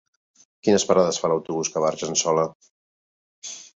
Quines parades fa l'autobús que va a Argençola?